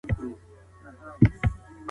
په ګرځېدو کي د چا مرسته نه غوښتل کېږي.